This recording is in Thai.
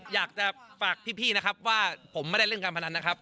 อยากจะฝากพี่นะครับว่าผมไม่ได้เล่นการพนันนะครับ